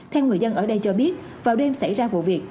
theo người dân ở đây cho biết vào đêm xảy ra vụ việc